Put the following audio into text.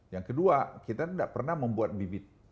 yang kedua kita tidak pernah membuat bibit